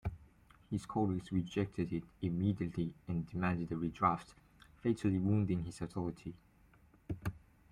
His colleagues rejected it immediately and demanded a redraft, fatally wounding his authority.